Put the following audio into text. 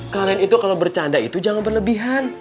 kalian itu kalau bercanda itu jangan berlebihan